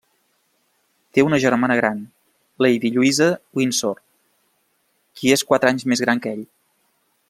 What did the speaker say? Té una germana gran, lady Lluïsa Windsor, qui és quatre anys més gran que ell.